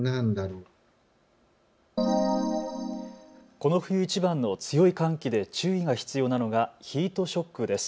この冬いちばんの強い寒気で注意が必要なのがヒートショックです。